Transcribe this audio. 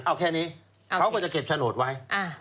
เอาแค่นี้เขาก็จะเก็บโฉนดไว้